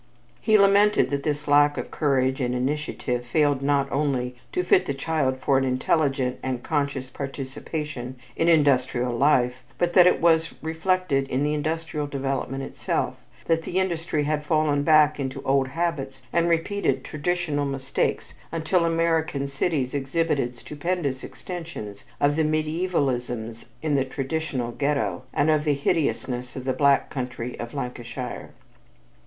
He lamented that this lack of courage and initiative failed not only to fit the child for an intelligent and conscious participation in industrial life, but that it was reflected in the industrial development itself; that industry had fallen back into old habits, and repeated traditional mistakes until American cities exhibited stupendous extensions of the medievalisms in the traditional Ghetto, and of the hideousness in the Black Country of Lancashire.